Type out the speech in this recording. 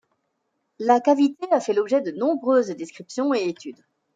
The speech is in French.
La cavité a fait l’objet de nombreuses descriptions et études.